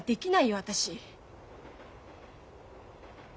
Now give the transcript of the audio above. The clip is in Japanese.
私。